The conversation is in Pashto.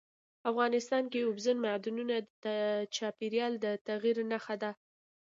افغانستان کې اوبزین معدنونه د چاپېریال د تغیر نښه ده.